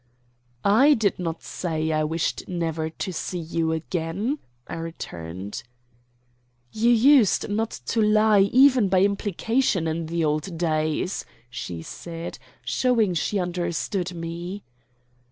"I did not say I wished never to see you again," I returned. "You used not to lie even by implication in the old days," she said, showing she understood me.